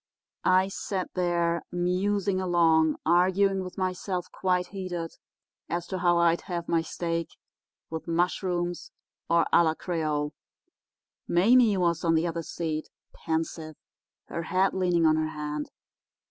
"I sat there, musing along, arguing with myself quite heated as to how I'd have my steak—with mushrooms, or à la créole. Mame was on the other seat, pensive, her head leaning on her hand.